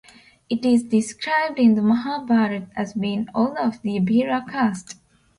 It is described in the Mahabharat as being all of the abhira caste.